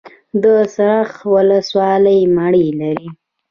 د څرخ ولسوالۍ مڼې لري